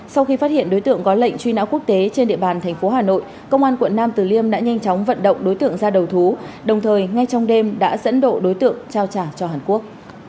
sau khi phát hiện đối tượng có lệnh truy nã quốc tế trên địa bàn thành phố hà nội công an quận nam từ liêm đã nhanh chóng vận động đối tượng ra đầu thú đồng thời ngay trong đêm đã dẫn độ đối tượng trao trả cho hàn quốc